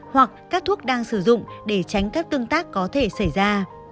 hoặc các thuốc đang sử dụng để tránh các tương tác có thể xảy ra